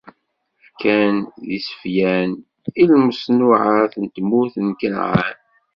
Fkan d iseflan i lmeṣnuɛat n tmurt n Kanɛan.